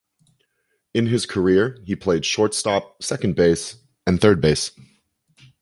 In his career, he played shortstop, second base, and third base.